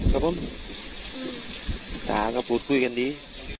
สามารถพูดคุยกันดี